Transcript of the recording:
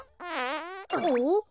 おっ。